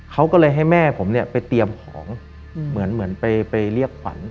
เขาก็เลยให้แม่ผมเนี่ยไปเตรียมของเหมือนไปเรียกขวัญ